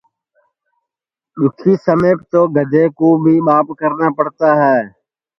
دُؔکھی سمیپ تو گدھے کُو بھی ٻاپ کرنا پڑتا ہے